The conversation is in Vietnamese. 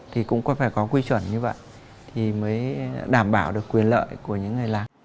thì cũng phải có quy chuẩn như vậy thì mới đảm bảo được quyền lợi của những người làng